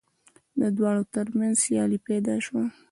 د دواړو تر منځ سیالي پیدا شوه